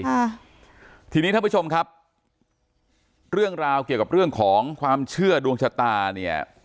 ค่ะทีนี้ท่านผู้ชมครับเรื่องราวเกี่ยวกับเรื่องของความเชื่อดวงชะตาเนี่ย